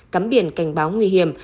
cấm biển cảnh báo nguy hiểm